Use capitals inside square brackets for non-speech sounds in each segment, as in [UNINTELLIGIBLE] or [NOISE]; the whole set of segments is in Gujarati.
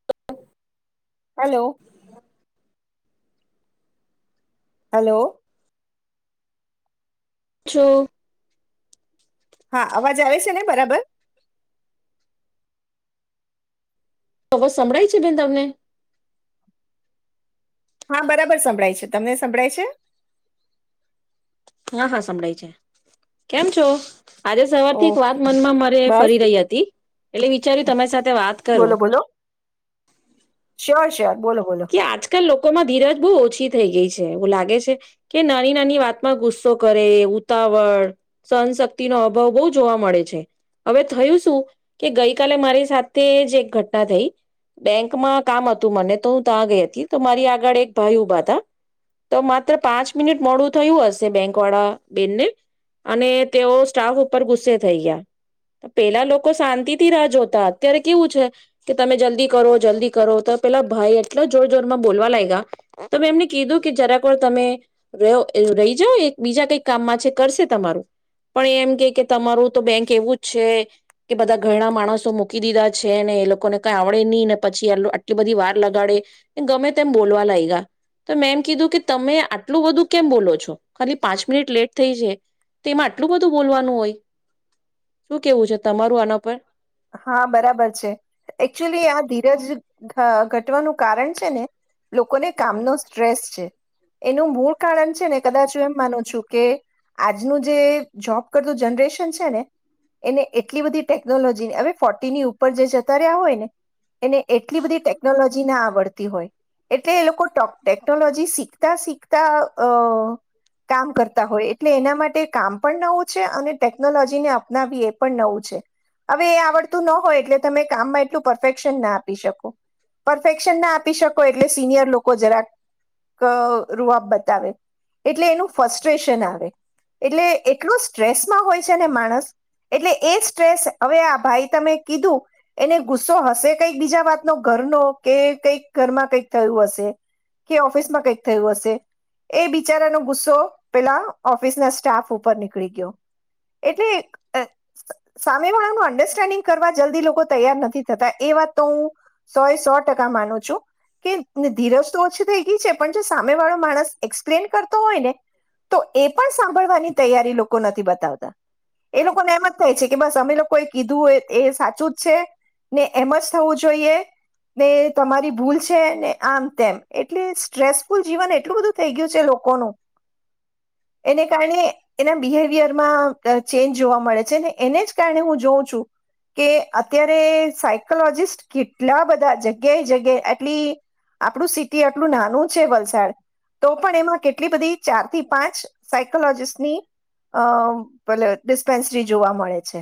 [INAUDIBLE] Hello, hello. છો. હા અવાજ આવે છે ને બરાબર. અવાજ સંભળાય છે બેન તમને. હા બરાબર સંભળાય છે, તમને સંભળાય છે. હા હા સંભળાય છે કેમ છો? આજે સવારથી એક વાત ઓકે મનમાં મરે બસ ફરી રહી હતી એટલે વિચાર્યું તમારી સાથે વાત બોલો કરું બોલો શ્યોર શ્યોર બોલો બોલો. કે આજકાલ લોકોમાં ધીરજ બહુ ઓછી થઈ ગઈ છે એવું લાગે છે. કે નાની નાની વાતમાં ગુસ્સો કરે ઉતાવળ. સહનશક્તિ નો અભાવ બહુ જોવા મળે છે. હવે થયું શું કે ગઈકાલે મારી સાથે જ એક ઘટના થઈ. બેંકમાં કામ હતું મને તો હું ત્યાં ગઈ હતી તો મારી આગળ એક ભાઈ ઊભા હતા. તો માત્ર પાંચ મિનિટ મોડું થયું હશે બેંક વાળા બેનને. અને તેઓ સ્ટાફ ઉપર ગુસ્સે થઈ ગયા. પહેલા લોકો શાંતિથી રાહ જોતા અત્યારે કેવું છે. કે તમે જલ્દી કરો જલ્દી કરો તો પેલા ભાઈ એટલા જોર જોરમાં બોલવા લાગ્યા. તો મે એમને કીધું કે જરા પર તમે. રહો રહી જાવ એ બીજા કઈક કામમાં છે કરશે તમારું. પણ એમ કે કે તમારું તો બેંક એવું જ છે. કે બધા ઘણા માણસો મૂકી દીધા છે ને એ લોકોને કઈ આવડે નહી ને પછી આટલી બધી વાર લગાડે. ગમે તેમ બોલવા લાયગા. તો એમ કીધું કે તમે આટલું બધું કેમ બોલો છો ખાલી પાંચ મિનિટ લેટ થઈ છે. તેમાં આટલું બધું બોલવાનું હોય શું કેવું છે તમારું આના પર. હા બરાબર છે. એકચુલી આ ધીરજ અ ઘટવાનું કારણ છે ને લોકોને કામનો સ્ટ્રેસ છે એનું મૂળ કારણ છે ને કદાચ હું એમ માનું છું કે. આજનું જે જોબ કરતું જનરેશન છે ને એને એટલી બધી ટેકનોલોજી જે હવે ફોર્ટીની ઉપર જે જતા રહ્યા હોય ને. એને એટલી બધી ટેકનોલોજી ના આવડતી હોય. એટલે એ લોકો ટોક ટેકનોલોજી શીખતા શીખતા અ કામ કરતા હોય એટલે એના માટે કામ પણ નવું છે અને ટેકનોલોજી ને અપનાવી એ પણ નવું છે. હવે એ આવડતું ન હોય એટલે તમે કામમાં એટલું પરફેક્શન ના આપી શકો. પરફેક્શન ના આપી શકો એટલે સિનિયર લોકો જરાક અ રૂઆબ બતાવે એટલે એનું ફસ્ટ્રેશન આવે. એટલે એટલું સ્ટ્રેસમાં હોય છે ને માણસ એટલે એ સ્ટ્રેસ હવે આ ભાઈ તમે કીધું. એને ગુસ્સો હશે કંઈક બીજા વાતનો ઘરનો કે કઈક ઘરમાં કંઈક થયું હશે. કે ઓફિસ માં કંઈક થયું હશે. એ બિચારાનો ગુસ્સો પેલા ઓફિસ ના સ્ટાફ ઉપર નીકળી ગયો. એટલે એ તેમા એમાં અંડરસ્ટેન્ડિંગ કરવા જલ્દી લોકો તૈયાર નથી થતા એ વાત તો હું સોય સો ટકા માનું છું. કે ધીરજ તો ઓછી થઈ ગઈ છે પણ જે સામે વાળો માણસ એક્સપ્લેન કરતો હોય ને. તો એ પણ સાંભળવાની તૈયારી લોકો નથી બતાવતા એ લોકોને એમ જ થાય છે કે બસ સમય લોકો એ કીધું હોય એ સાચું જ છે ને એમ જ થવું જોઈએ. ને તમારી ભૂલ છે ને આમ તેમ એટલે સ્ટ્રેસફુલ જીવન એટલું બધું થઈ ગયું છે લોકોનું [INAUDIBLE] એને કારણે એના બિહેવિયરમાં ચેન્જ જોવા મળે છે ને એને જ ગીતા ને હું જોઉં છું. કે અત્યારે સાયકોલોજીિસ્ટ કેટલા બધા જગ્યાએ જગ્યાએ એટલી આપણું સિટી આટલું નાનું છે વલસાડ તો પણ એમાં કેટલી બધી ચાર થી પાંચ સાયકોલોજીસ્ટની, અ પેલે ડિસ્પેન્સરી જોવા મળે છે.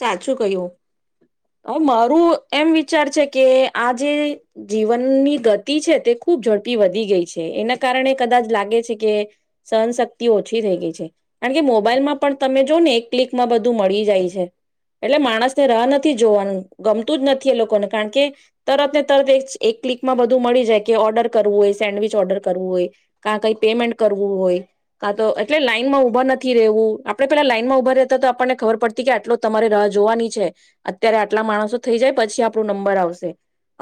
સાચું કયું, હુ મારું એમ વિચાર છે કે આ જે જીવનની ગતિ છે, તે ખૂબ ઝડપી વધી ગઈ છે, એના કારણે કદાચ લાગે છે કે, સહનશક્તિ ઓછી રઈ ગઈ છે. કારણ કે મોબાઈલમાં પણ તમે જો ને એક ક્લિક માં બધું મળી જાય છે. એટલે માણસ ને રાહ નથી જોવાનું, ગમતું જ નથી એ લોકોને કારણ કે, તરત ને તરત એક ક્લિકમાં બધું મળી જાય, કે ઓર્ડર કરવું હોય, સેન્ડવીિચ ઓર્ડર કરવું હોય, કા કઈ પેમેન્ટ કરવું હોય. કા તો એટલે લાઈનમાં ઉભા નથી રહેવું આપણે પેલા લાઈન માં ઊભા રહેતા તો આપણને ખબર પડતી કે આટલો, તમારે રાહ જોવાની છે, અત્યારે આટલા માણસો થઈ જાય, પછી આપણું નંબર આવશે.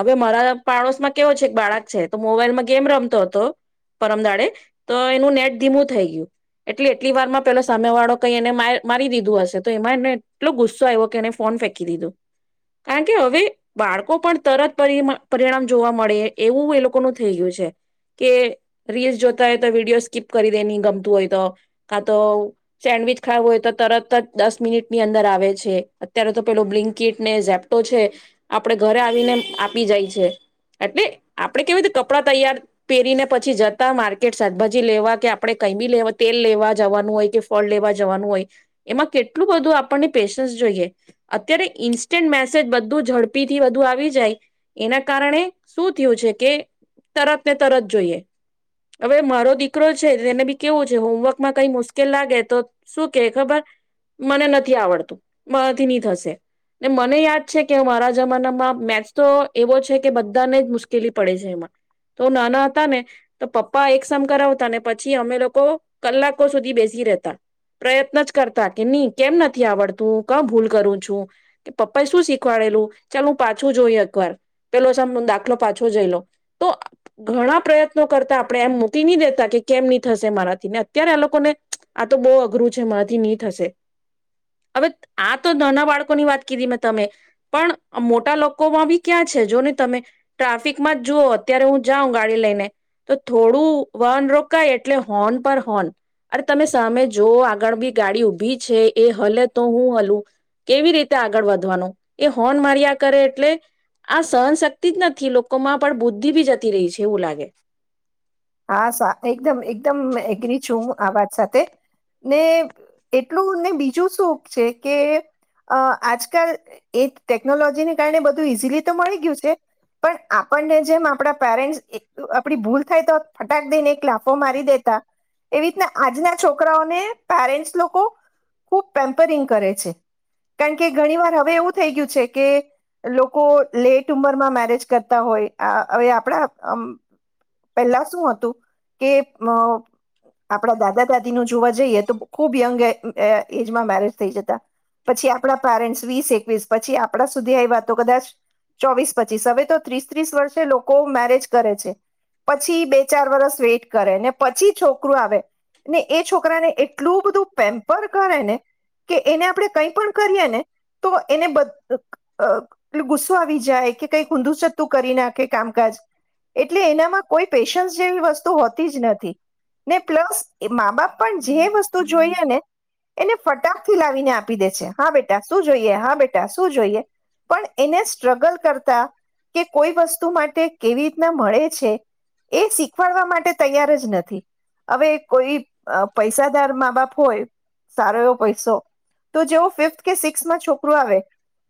હવે મારા પાડોશમાં કેવો છે? એક બાળક છે તો મોબાઈલમાં ગેમ રમતો હતો. પરમદાડે તો એનું નેટ ધીમું થઈ ગયું. એટલે એટલી વાર માં પેલો સામે વાળો કઈ એને મારી દીધું હશે તો એમાં એને એટલો ગુસ્સો આવ્યો કે, એને ફોન ફેંકી દીધું. કારણ કે હવે, બાળકો પણ તરત પરિ પરિણામ જોવા મળે એવું એ લોકોનું થઈ ગયું છે. કે રીલ્સ જોતા હોય તો વિડીયો સ્કીપ કરી દે ની ગમતું હોય તો. કા તો સેન્ડવિચ ખાવું હોય તો તરત જ દસ મિનિટ ની અંદર આવે છે. અત્યારે તો પેલો બ્લિંકિટ ને ઝેપ્ટો છે. આપણે ઘરે આવીને આપી જાય છે. એટલે આપડે કેવી રીતે કપડા તૈયાર પેરીને પછી જતા માર્કેટ શાકભાજી લેવા કે, આપડણે કઈ બી લેવા, તેલ લેવા જવાનું હોય કે ફળ લેવા જવાનું હોય, એમાં કેટલું બધું આ પણ ને પેશન્સ જોઈએ અત્યારે ઇન્સ્ટન્ટ મેસેજ બધું ઝડપી થી વધુ આવી જાય એના કારણે શું થયું છે કે? તરત ને તરત જોઈએ. હવે મારો દીકરો છે તેને બી કેવું છે, હોમવર્કમાં કઈ મુશ્કેલ લાગે તો શું કે ખબર? મને નથી આવડતું મારાથી નની થશે. ને મને યાદ છે કે મારા જમાનામાં મેથ તો એવો છે કે, બધાને જ મુશ્કેલી પડે છે એમાં તો નાના હતા ને તો પપ્પા એકસમ કરાવતા ને પછી અમે લોકો કલાકો સુધી બેસી રહેેતા. પ્રયત્ન જ કરતા, કે નહી કેમ નથી આવડતું કા ભૂલ કરું છું? કે પપ્પા એ શું શીખવાડેલું? ચાલ હું પાછું જોઈ એકવાર. પેલો સા દાખલો પાછો જઈ લો. તો ઘણા પ્રયત્નો કરતા આપણે એમ મૂકી નહી દેતા, કે કેમ ની થશે મારાથી ને અત્યારે આ લોકોને આ તો બહુ અઘરું છે મામાંથી નની થશે. હવે આ તો નાના બાળકો ની વાત કીધી મેં તમે પણ મોટા લોકોમાં બી ક્યાં છે જો ને તમે? ટ્રાફિકમાં જુઓ, અત્યારે હું જાઉં ગાડી લઈને તો થોડું વાન રોકાય એટલે હોન પર હોન. અરે તમે સામે જોવો આગળ બી ગાડી ઊભી છે એ હલે તો હું હલું, કેવી રીતે આગળ વધવાનું એ હોર્ન માર્યા કરે એટલે આ સહનશક્તિ જ નથી લોકોમાં પણ બુદ્ધિ બી જતી રહી છે એવું લાગે. હા સા એકદમ એકદમ એગ્રી છું હું આ વાત સાથે. ને એટલું ને બીજું સુખ છે કે? અ આજકાલ એ ટેકનોલોજીને કારણે બધું ઈઝીલી તો મળી ગયું છે. પણ આપણને જેમ આપણા ઈ પેરેન્ટસ આપડી ભૂલ થાય તો ફટાક દઈને એક લાફો મારી દેતા. એવી રીતના આજના છોકરાઓને પેરેન્ટ્સ લોકો ખૂબ પેમ્પરિંગ કરે છે. કારણ કે ઘણી વાર હવે એવું થઈ ગયું છે કે લોકો લેટ ઉમરમાં મેરેજ કરતા હોય હ હવે આપણા હમ પહેલા શું હતું કે અ આપડા દાદા દાદી નું જોવા જઈએ તો ખુબ યંગ એ એજમાં મેરેજ થઈ જતા પછી આપણા પેરેન્ટ્સ વીસ એકવીસ પછી આપણા સુધી આઈવા તો કદાચ ચોવીસ પચીસ હવે તો ત્રીસ ત્રીસ વર્ષે લોકો મેરેજ કરે છે પછી બે ચાર વરસ વેટ કરે ને પછી છોકરું આવે. ને એ છોકરા ને એટલું બધું પેમ્પર કરે ને. કે એને આપણે કઈ પણ કરીએ ને તો એને બ અ એટલે ગુસ્સો આવી જાય કે કંઈક ઊંધું છતું કરી નાખે કામકાજ એટલે એનામાં કોઈ પેશન્સ જેવી વસ્તુ હોતી જ નથી ને પ્લસ એ મા બાપ પણ જે વસ્તુ જોઈએ ને એને ફટાક થી લાવીને આપી દે છે હા બેટા શું જોઈએ હા બેટા શું જોઈએ પણ એને સ્ટ્રગલ કરતા કે કોઈ વસ્તુ માટે કેવી રીતના મળે છે. એ શીખવાડવા માટે તૈયાર જ નથી. હવે કોઈ અ પૈસાદાર મા બાપ હોય સારો એવો પૈસો તો જેવો ફિફ્થ કે સિક્સ્થમાં છોકરુ આવે.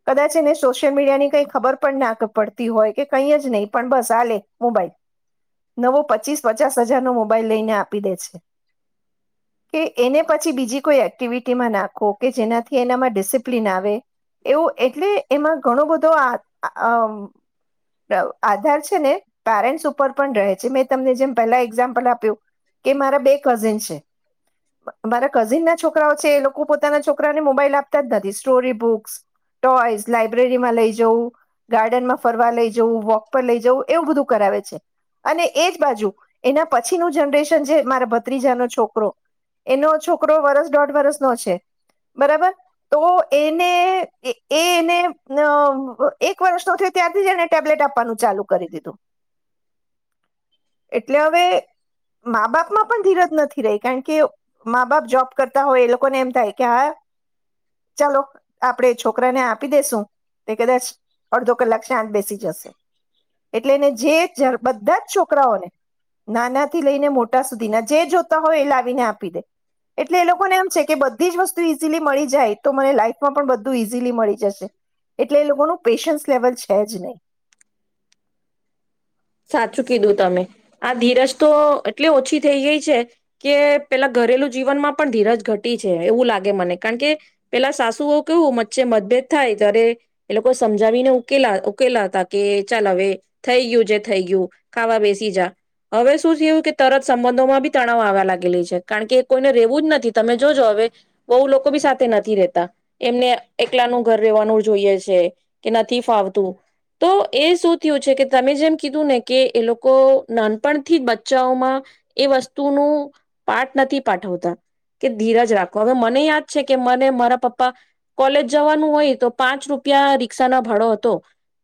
કદાચ એને સોશિયલ મીડિયા ની કઈ ખબર પણ ના પડતી હોય કે કંઈ જ નહીં પણ બસ આલે મોબાઈલ નવો પચીસ પચાસ હજાર નો મોબાઈલ લઈને આપી દે છે. કે એને પછી બીજી કોઈ એક્ટિવિટી ટીમા નાખો કે જેનાથી એનામાં ડિસિપ્લિન આવે એવું એટલે એમાં ઘણો બધો આ. અ આધાર છે ને પેરેન્ટ્સ ઉપર પણ રહે. જે મેં તમને જેમ પહેલા એક્ઝામ્પલ આપ્યું કે મારા બે કઝિન છે. મારા કઝિન ના છોકરાઓ છે એ લોકો પોતાના છોકરાને મોબાઈલ આપતા જ નથી સ્ટોરી બુક્સ ટોઈસ લાાઈબ્રેરીમાં લઈ જવું. ગાર્ડન માં ફરવા લઇ જવું વોક પર લઈ જવું એવું બધું કરાવે છે. અને એ જ બાજુ એના પછીનું જનરેશન છે મારા ભત્રીજાનો છોકરો એનો છોકરો વરસ દોઢ વરસનો છે બરાબર તો એને એ એને અ એક વર્ષનો થ. ત્યાંથી જ એને ટેબલેટ આપવાનું ચાલુ કરી દીધું. એટલે હવે મા બાપ માં પણ ધીરજ નથી રહી કાકે મા બાપ જોબ કરતા હોય એ લોકોને એમ થાય કે હા. ચલો આપણેે છોકરા ને આપી દેશું. તે કદાચ અડધો કલાક શાંત બેસી જશે એટલે એને જેરપ બધા જ છોકરાઓને નાના થી લઈને મોટા સુધીના જે જોતા હોય એ લાવીને આપી દે. એટલે એ લોકોને એમ છે કે બધી જ વસ્તુ ઈઝીલી મળી જાય તો મને લાઈફમાં પણ બધું ઈઝીલી મળી જશે. એટલે એ લોકો નુ પેશન્સ લેવલ છે જ નહીં સાચું કીધું તમે આ ધીરજ તો એટલે ઓછી થઈ ગઈ છે. કે પેલા ઘરેલુ જીવનમાં પણ ધીરજ ઘટી છે એવું લાગે મને કાકે. પેલા સાસુઓ કેવું મચ્ચે મતભેદ થાય ત્યારે એ લોકો સમજાવીને ઉકેલા ઉકેલા હતા કે ચાલ હવે થઈ ગયું છે. થઈ ગયું ખાવા બેસી જા હવે શું થયું કે તરત સંબંધોમાં બી તણાવ આવવા લાગેલી છે કારણ કે કોઈને રહેવું જ નથી તમે જોજો હવે વઉ લોકો બી સાથે નથી રહેતા. એમને એકલાનું ઘર રેવાનું જોઈએ છે કે નથી ફાવતું તો એ શું થયું છે કે તમે જેમ કીધું ને કે એ લોકો નાનપણથી જ બચ્ચાઓમાં એ વસ્તુનું પાઠ નથી પાઠવતા કે ધીરજ રાખો હવે મને યાદ છે કે મને મારા પપ્પા કોલેજ જવાનું હોય તો પાંચ રૂપિયા રિક્ષા ના ભાડો હતો.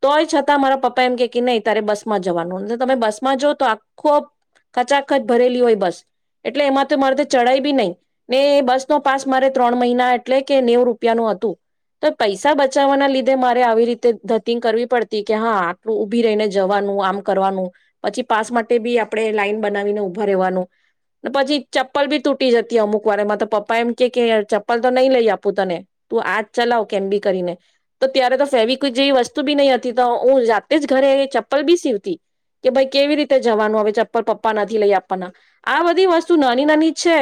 તોય છતાં મારા પપ્પા એમ કે કે નહીં તારે બસ માં જવાનું તમે બસમાં જ તો આખો કચાખચ ભરેલી હોય બસ એટલે એમાં તો મારે તો ચડાય બી નહી ને એ બસ નો પાસ મારે ત્રણ મહિના એટલે કે નેવ રૂપિયા નું હતું. તો પૈસા બચાવવાના લીધે મારે આવી રીતે ધતીંગ કરવી પડતી કે હા આટલું ઉભી રહીને જ નું આમ કરવાનું પછી પાસ માટે બી આપણે લાઈન બનાવીને ઉભા રહેવાનું પછી ચપલ બી તૂટી જતી અમુક વાર એમાં તો પપ્પા એમ કે ચપ્લ તો નહીં લઈ આપું તને તું આજ ચલાવ કેમ બી કરીને તો ત્યારે તો ફેરી ક્વીક જેવી વસ્તુ બી નહી હતી તો હું જાતે જ ઘરે ચપ્પલ બી સીવતી. કે ભાઈ કેવી રીતે જવાનું હવે ચપ્પલ પપ્પા નથી લઈ આપવાના આ બધી વસ્તુ નાની નાની છે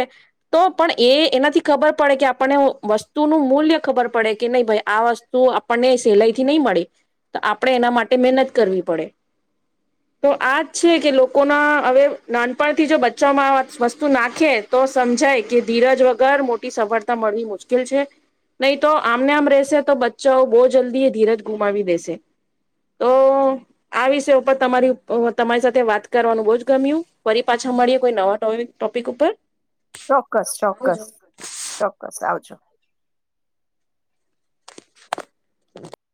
તો પણ એ એનાથી ખબર પડે કે આપણને વસ્તુનું મૂલ્ય ખબર પડે કે નહી ભાઈ આ વસ તો આપણને સહેલાઈ થી નહીં મળે તો આપણે એના માટે મહેનત કરવી પડે. તો આ જ છે કે લોકોના હવે નાનપણથી જો બચામાં વસ્તુ નાખે તો સમજાય કે ધીરજ વગર મોટી સફળતા મળવી મુશ્કેલ છે. નહીં તો આમને આમ રહેશે તો બચ્ચાઓ બહુ જલ્દી એ ધીરજ ગુમાવી દેશે. તો આ વિષય ઉપર તમારી અ તમારી સાથે વાત કરવાનું બહુ જ ગમ્યું ફરી પાછા મળીએ કોઈ નવા ટોપિક ટોપિક ઉપર ચોક્કસ ચોક્કસ ચોક્કસ આવજો [UNINTELLIGIBLE]